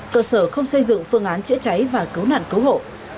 cơ sở không xây dựng phương án chữa cháy và cấu nạn cấu hộ